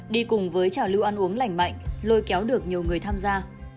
đi cùng với trào lưu ăn uống lành mạnh lôi kéo được nhiều người tham gia